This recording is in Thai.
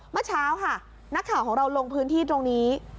เมื่อเช้าค่ะนักข่าวของเราลงพื้นที่ตรงนี้